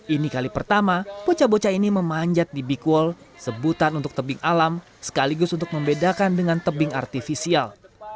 ini kali pertama bocah bocah ini memanjat di big wall sebutan untuk tebing alam sekaligus untuk membedakan dengan tebing artifisial